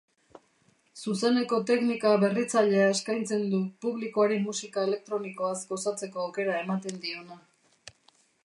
Zuzeneko teknika berritzailea eskaintzen du, publikoari musika elektronikoaz gozatzeko aukera ematen diona.